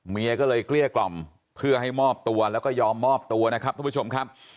เมียก็เลยเกลี้ยกล่อมเพื่อให้มอบตัวแล้วก็ยอมมอบตัวนะครับทุกผู้ชมครับ